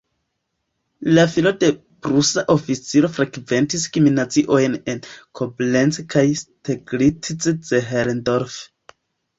La filo de prusa oficiro frekventis gimnaziojn en Koblenz kaj Steglitz-Zehlendorf.